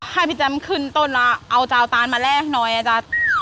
ให้พี่แจ้มขึ้นตนล่ะเอาเจ้าตานมาแลกหน่อยอ่ะจ๊ะ